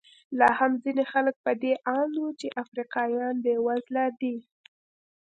لا هم ځینې خلک په دې اند دي چې افریقایان بېوزله دي.